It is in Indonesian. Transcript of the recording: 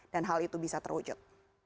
dan hal itu bisa terwujud